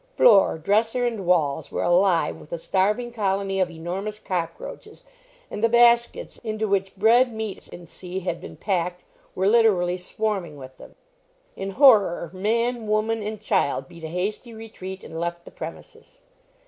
Floor, dresser, and walls were alive with a starving colony of enormous cockroaches, and the baskets, into which bread, meats, &c. had been packed, were literally swarming with them. In horror, man, woman, and child beat a hasty retreat, and left the premises.